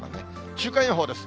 週間予報です。